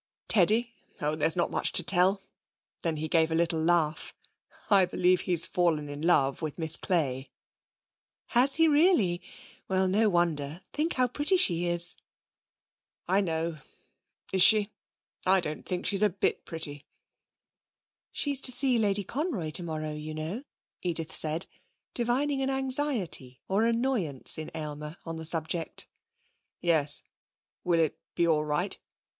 'Teddy! Oh, there's not much to tell.' Then he gave a little laugh. 'I believe he's fallen in love with Miss Clay.' 'Has he really? Well, no wonder; think how pretty she is.' 'I know. Is she? I don't think she's a bit pretty.' 'She's to see Lady Conroy tomorrow, you know,' Edith said, divining an anxiety or annoyance in Aylmer on the subject. 'Yes. Will it be all right?'